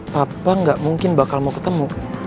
papa nggak mungkin bakal mau ketemu